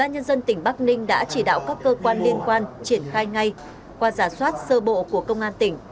công an nhân dân tỉnh bắc ninh đã chỉ đạo các cơ quan liên quan triển khai ngay qua giả soát sơ bộ của công an tỉnh